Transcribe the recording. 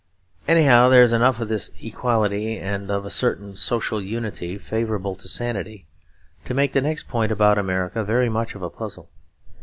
Anyhow there is enough of this equality, and of a certain social unity favourable to sanity, to make the next point about America very much of a puzzle.